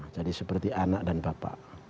jadi seperti anak dan bapak